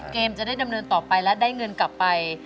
จะได้ดำเนินต่อไปและได้เงินกลับไป